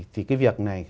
thì cái việc này